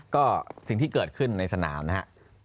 ก็สิ่งที่เกิดขึ้นในสนามนะครับ